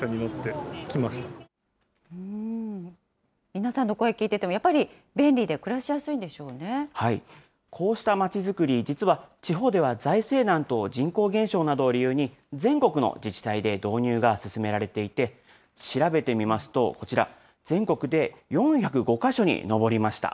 皆さんの声聞いていても、やっぱり、便利で暮らしやすいんでこうしたまちづくり、実は地方では財政難と人口減少などを理由に、全国の自治体で導入が進められていて、調べてみますと、こちら、全国で４０５か所に上りました。